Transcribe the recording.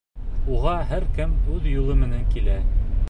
Уға һәр кем үҙ юлы менән килә.